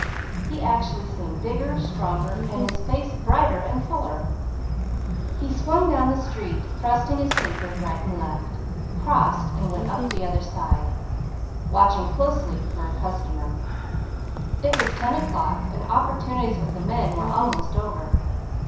He actually seemed bigger, stronger, and his face brighter and fuller. He swung down the street thrusting his papers right and left, crossed and went up the other side, watching closely for a customer. It was ten o'clock and opportunities with the men were almost over.